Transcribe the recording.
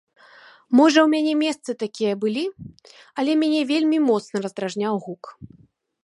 Можа ў мяне месцы такія былі, але мяне вельмі моцна раздражняў гук.